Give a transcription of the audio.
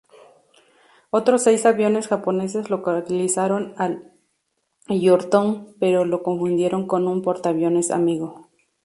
Otros seis aviones japoneses localizaron al "Yorktown", pero lo confundieron con un portaaviones amigo.